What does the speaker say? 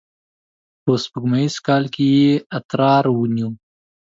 په سپوږمیز کال کې یې اترار ونیو.